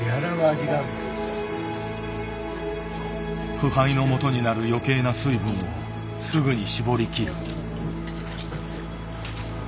腐敗のもとになる余計な水分をすぐに絞りきる。